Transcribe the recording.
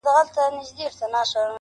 د ميني ننداره ده ـ د مذهب خبره نه ده ـ